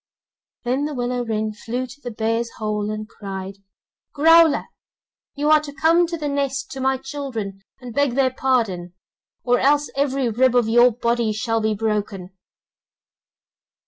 Then the willow wren flew to the bear's hole and cried: 'Growler, you are to come to the nest to my children, and beg their pardon, or else every rib of your body shall be broken.